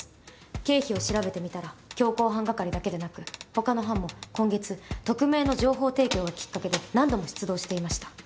経費を調べてみたら強行犯係だけでなく他の班も今月匿名の情報提供がきっかけで何度も出動していました。